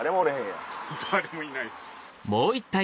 誰もいないです。